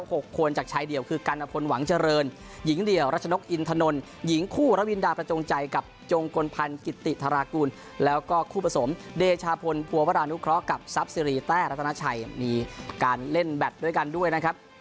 หกคนจากชายเดี่ยวคือกัณพลหวังเจริญหญิงเดี่ยวรัชนกอินทนนหญิงคู่ระวินดาประจงใจกับจงกลพันธ์กิติธารากุลแล้วก็คู่ผสมเดชาพลภัวรานุเคราะห์กับทรัพย์สิริแต้รัตนาชัยมีการเล่นแบตด้วยกันด้วยนะครับ